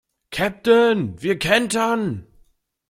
Käpt'n, wir kentern!